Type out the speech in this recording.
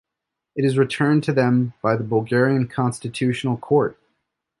It was returned to them by the Bulgarian Constitutional Court.